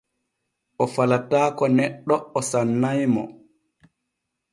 O falataako neɗɗe o sannay mo.